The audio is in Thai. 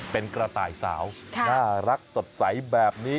เป็นกระต่ายสาวน่ารักสดใสแบบนี้